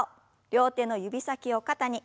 両手の指先を肩に。